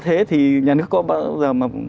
thế thì nhà nước có bao giờ mà